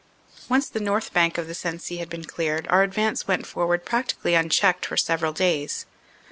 Once the north bank of the Sensee had been cleared, our advance went forward practically unchecked for several days.